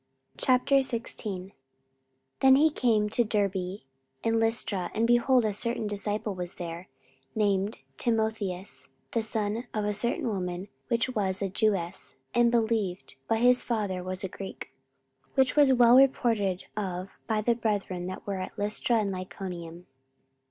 44:016:001 Then came he to Derbe and Lystra: and, behold, a certain disciple was there, named Timotheus, the son of a certain woman, which was a Jewess, and believed; but his father was a Greek: 44:016:002 Which was well reported of by the brethren that were at Lystra and Iconium.